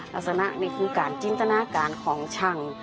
ลักษณะนี่คือการจินตนาการของช่าง